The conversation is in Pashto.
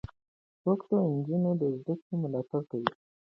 څوک د نجونو د زدهکړو ملاتړ کوي؟